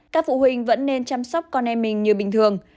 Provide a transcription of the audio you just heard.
các phụ huynh vẫn nên chăm sóc con em mình như bình thường